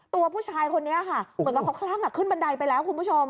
ตัวผู้ชายคนนี้ค่ะเหมือนกับเขาคลั่งขึ้นบันไดไปแล้วคุณผู้ชม